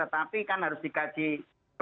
tapi kita harus berbicara